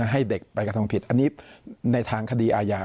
ให้เด็กไปกระทำผิดอันนี้ในทางคดีอาญา